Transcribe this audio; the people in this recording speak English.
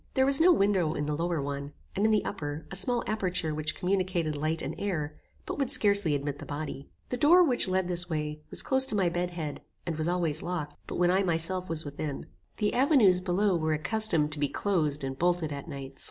There was no window in the lower one, and in the upper, a small aperture which communicated light and air, but would scarcely admit the body. The door which led into this, was close to my bed head, and was always locked, but when I myself was within. The avenues below were accustomed to be closed and bolted at nights.